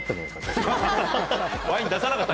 ワイン出さなかった？